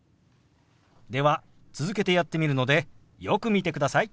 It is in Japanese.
では続けてやってみるのでよく見てください。